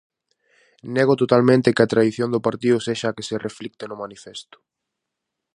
Nego totalmente que a tradición do partido sexa a que se reflicte no manifesto.